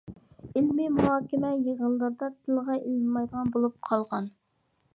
ئىلمىي مۇھاكىمە يىغىنلىرىدا تىلغا ئېلىنمايدىغان بولۇپ قالغان.